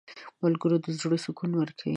• ملګری د زړه سکون ورکوي.